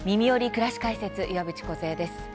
くらし解説」岩渕梢です。